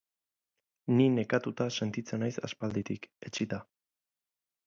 Ni nekatuta sentitzen naiz aspalditik, etsita.